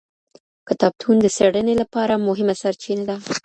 کتابتون د څیړنې لپاره مهمه سرچینه ده.